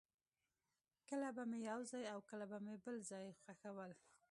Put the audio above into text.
کله به مې یو ځای او کله بل ځای کې خښول.